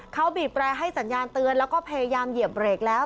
เขาบีบแปรให้สัญญาณเตือนแล้วก็พยายามเหยียบเบรกแล้ว